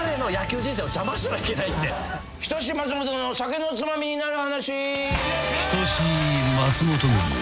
『人志松本の酒のツマミになる話』